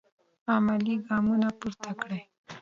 عملي ګامونه پورته کړئ.